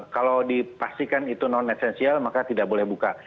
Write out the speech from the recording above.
kalau dipastikan itu non esensial maka tidak boleh buka